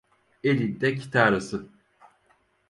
Elinde kitarası.